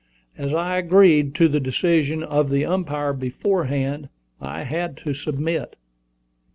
As I agreed to the decision of the umpire beforehand, I had to submit.